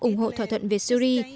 ủng hộ thỏa thuận về syri